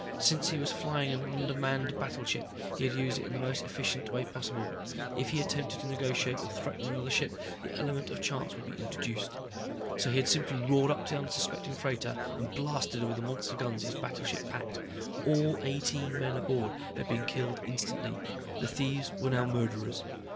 Since he was flying an undermanned battleship, he had used it in the most efficient way possible. If he attempted to negotiate or threaten another ship, the element of chance would be introduced. So he had simply roared up to the unsuspecting freighter and blasted her with the monster guns his battleship packed. All eighteen men aboard had been killed instantly. The thieves were now murderers.